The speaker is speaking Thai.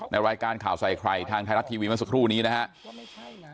รายการข่าวใส่ใครทางไทยรัฐทีวีเมื่อสักครู่นี้นะครับ